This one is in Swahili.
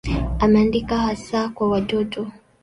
Ameandika hasa kwa watoto.